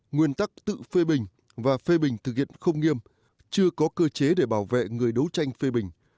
nguyên tắc tự phê bình và phê bình thực hiện không nghiêm chưa có cơ chế để bảo vệ người đấu tranh phê bình